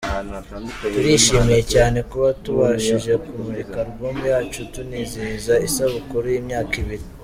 Turishimye cyane kuba tubashije kumurika Album yacu tunizihiza isabukuru y’imyaka ibiri.